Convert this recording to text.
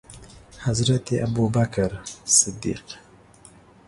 حضرت ابوبکر صدیق